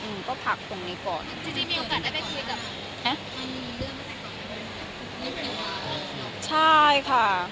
ที่มีโอกาสได้ไปคุยกับเรื่องของคุณ